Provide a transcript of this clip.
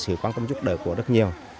sự quan tâm giúp đỡ của rất nhiều